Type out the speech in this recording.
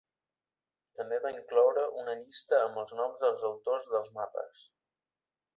També va incloure una llista amb els noms dels autors dels mapes.